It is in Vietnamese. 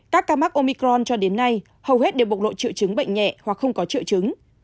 các ca mắc omicron cho đến nay hầu hết đều bộc lộ triệu chứng bệnh nhẹ hoặc không có triệu chứng